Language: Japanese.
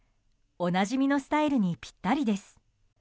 おなじみのスタイルにぴったりです。